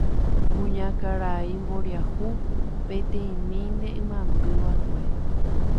kuñakarai mboriahu peteĩmínte imembyva'ekue.